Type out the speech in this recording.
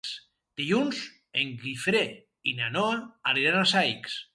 Dilluns en Guifré i na Noa aniran a Saix.